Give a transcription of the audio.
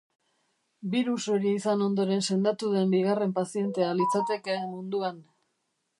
Birus hori izan ondoren sendatu den bigarren pazientea litzateke munduan.